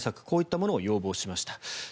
こういったものを要望しました。